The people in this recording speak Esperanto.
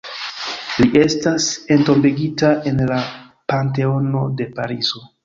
Li estas entombigita en la Panteono de Parizo.